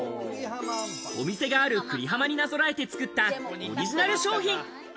お店がある久里浜になぞらえて作ったオリジナル商品。